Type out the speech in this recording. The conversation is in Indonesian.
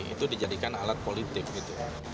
itu dijadikan alat politik gitu